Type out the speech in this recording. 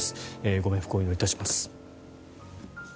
ご冥福をお祈りいたします。